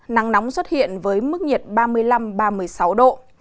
nắng nóng xuất hiện với mức nhiệt ba mươi năm ba mươi sáu độ